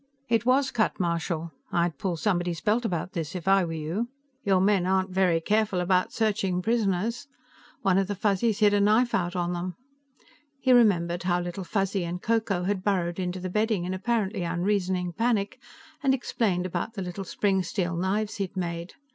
"It was cut. Marshal, I'd pull somebody's belt about this, if I were you. Your men aren't very careful about searching prisoners. One of the Fuzzies hid a knife out on them." He remembered how Little Fuzzy and Ko Ko had burrowed into the bedding in apparently unreasoning panic, and explained about the little spring steel knives he had made.